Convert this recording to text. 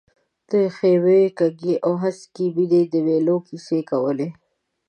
د ښیوې، کږې او هسکې مېنې د مېلو کیسې کولې.